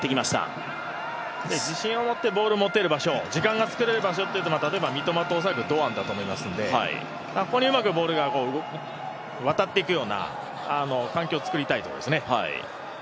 自信を持ってボールを持てる場所、時間ができる場所、例えば、三笘と堂安だと思いますのでここにうまくボールがわたっていくような環境をつくりたいところですね。